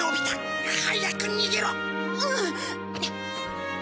うん。